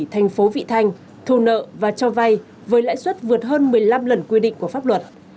thành phố vị thanh thu nợ và cho vay với lãi suất vượt hơn một mươi năm lần quy định của pháp luật